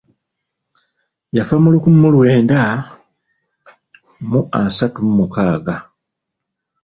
Yafa mu lukumi mu lwenda mu asatu mu mukaaga.